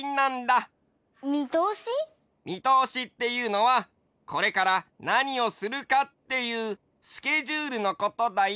みとおしっていうのはこれからなにをするかっていうスケジュールのことだよ。